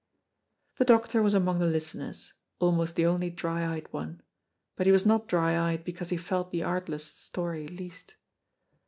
The doctor was among the listeners, almost the only dry eyed one, but he was not dry eyed because he felt the artless story least.